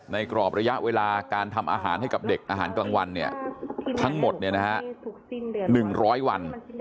กรอบระยะเวลาการทำอาหารให้กับเด็กอาหารกลางวันทั้งหมด๑๐๐วัน